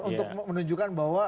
untuk menunjukkan bahwa